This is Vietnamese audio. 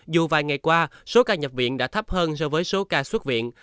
dù vài ngày qua số ca nhập viện đã thấp hơn so với số ca xuất viện